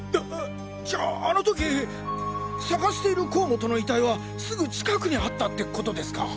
じゃああの時捜している甲本の遺体はすぐ近くにあったってことですか。